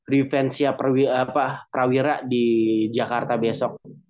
refensia prawira di jakarta besok